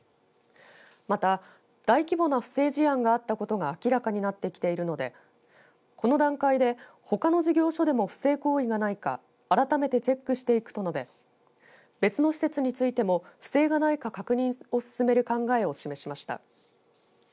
また、大規模な不正事案があったことが明らかになってきているのでこの段階でほかの事業所でも不正行為がないか改めてチェックしていくと述べ別の施設についても不正がないか確認を進める考えを示しました。